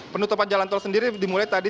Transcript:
penutupan jalan tol sendiri dimulai tadi